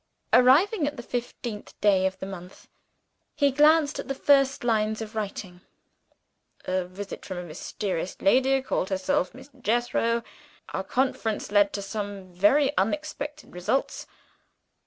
Arriving at the fifteenth day of the month, he glanced at the first lines of writing: "A visit from a mysterious lady, calling herself Miss Jethro. Our conference led to some very unexpected results."